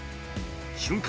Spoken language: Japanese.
瞬間